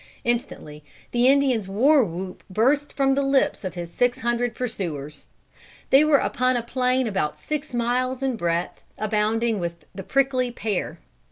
Instantly the Indian's war whoop burst from the lips of his six hundred pursuers. They were upon a plain about six miles in breadth abounding with the prickly pear.